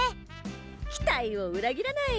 期待を裏切らない！